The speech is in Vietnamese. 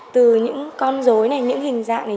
từ những con dối này những hình dạng này